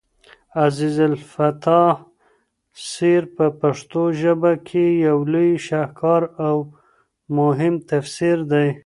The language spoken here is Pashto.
عزيز التفا سير په پښتو ژبه کي يو لوى شهکار اومهم تفسير دی